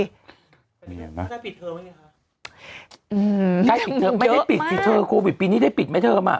ท่านเห็นประมาณ